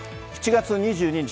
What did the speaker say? ７月２２日